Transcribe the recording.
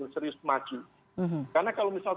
serius maju karena kalau misal